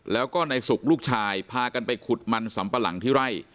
แล้วก็ในสุขลูกชายพากันไปขุดมันสำปะหลังที่ไร่